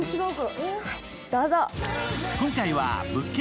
どうぞ。